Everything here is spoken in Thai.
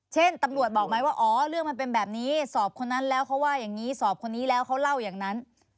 เช่นตำรวจบอกไหมว่าอ๋อเรื่องมันเป็นแบบนี้สอบคนนั้นแล้วเขาว่าอย่างนี้สอบคนนี้แล้วเขาเล่าอย่างนั้น